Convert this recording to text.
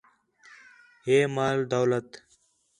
ہِے مال دولت